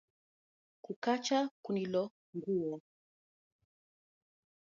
Kukacha kunilonguo.